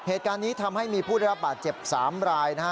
เหตุการณ์นี้ทำให้มีผู้ได้รับบาดเจ็บ๓รายนะฮะ